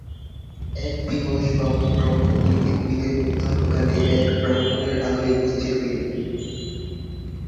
এক দিবস বামন ভ্রমণ করিতে করিতে মধ্যাহ্ন কালে এক ব্রাহ্মণের আলয়ে উপস্থিত হইলেন।